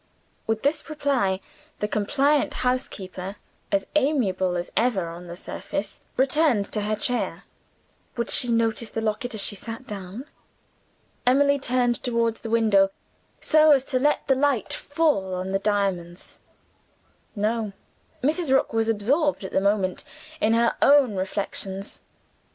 With this reply, the compliant housekeeper as amiable as ever on the surface returned to her chair. Would she notice the locket as she sat down? Emily turned toward the window, so as to let the light fall on the diamonds. No: Mrs. Rook was absorbed, at the moment, in her own reflections.